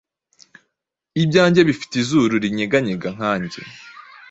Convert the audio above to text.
Ibyanjye bifite izuru ryinyeganyega nkanjye.